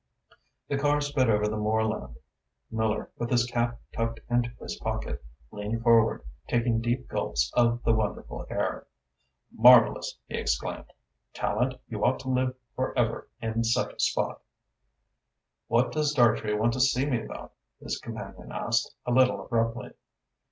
The car sped over the moorland. Miller, with his cap tucked into his pocket, leaned forward, taking deep gulps of the wonderful air. "Marvellous!" he exclaimed. "Tallente, you ought to live for ever in such a spot!" "What does Dartrey want to see me about?" his companion asked, a little abruptly.